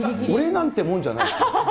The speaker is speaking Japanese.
俺なんてもんじゃない。